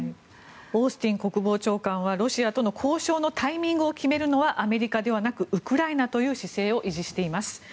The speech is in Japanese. オースティン国防長官はロシアとの交渉のタイミングを決めるのはアメリカではなくウクライナという姿勢を維持しています。